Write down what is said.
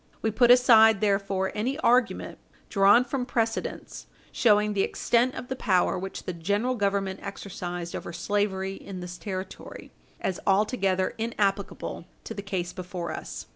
We put aside, therefore, any argument, drawn from precedents, showing the extent of the power which the General Government exercised over slavery in this Territory, as altogether inapplicable to the case before us.